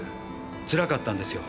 つらかったんですよ。